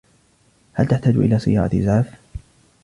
هل تحتاج إلى سيارة إسعاف ؟